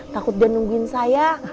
takut dia nungguin saya